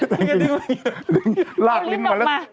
ลาดลิ้นมาแล้ว